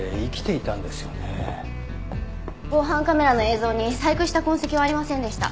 防犯カメラの映像に細工した痕跡はありませんでした。